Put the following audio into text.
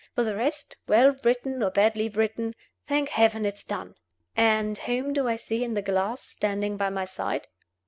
For the rest, well written or badly written, thank Heaven it is done! And whom do I see in the glass standing by my side?